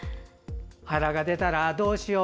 「腹が出たらどうしよう」